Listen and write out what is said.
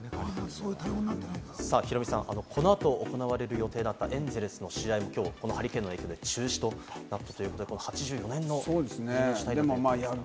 ヒロミさん、この後、行われる予定だったエンゼルスの試合も今日このハリケーンの影響で中止となっています。